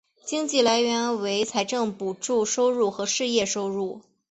经费来源为财政补助收入和事业收入。